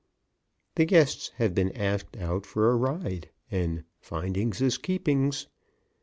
The guests have been asked out for a ride, and "findings is keepings."